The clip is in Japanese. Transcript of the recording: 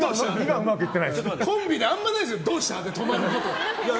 コンビであんまりないですよどうした？で止まること。